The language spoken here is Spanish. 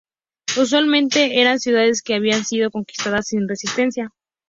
Usualmente eran ciudades que habían sido conquistadas sin resistencia.